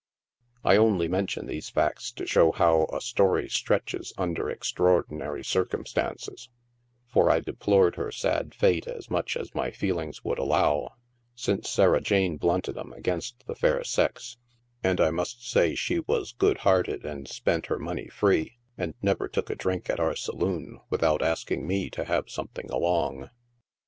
I only mention these facts to show how a story stretches under extraordinary circumstances, for I deplored her sad fate as much as my feelings would allow, since Sarah Jane blunted 'em against the fair sex, and I must say she was good hearted and spent her money free, and never took a drink at our saloon without ask ing me to have something along.